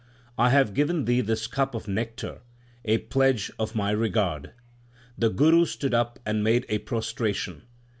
I have given thee this cup of nectar, a pledge of My regard/ The Guru stood up and made a prostration.